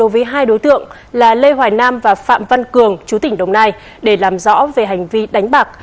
với hai đối tượng là lê hoài nam và phạm văn cường chú tỉnh đồng nai để làm rõ về hành vi đánh bạc